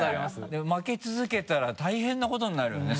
でも負け続けたら大変なことになるよね？